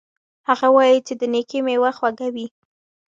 هغه وایي چې د نیکۍ میوه خوږه وي